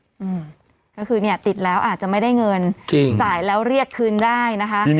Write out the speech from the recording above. อืมก็คือเนี่ยติดแล้วอาจจะไม่ได้เงินจริงจ่ายแล้วเรียกคืนได้นะคะ